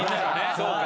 そうか。